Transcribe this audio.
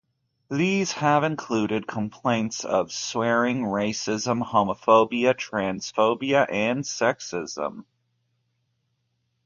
These have included complaints of swearing, racism, homophobia, transphobia and sexism.